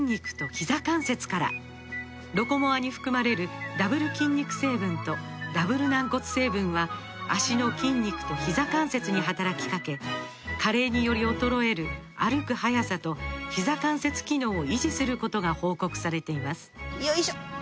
「ロコモア」に含まれるダブル筋肉成分とダブル軟骨成分は脚の筋肉とひざ関節に働きかけ加齢により衰える歩く速さとひざ関節機能を維持することが報告されていますよいしょっ！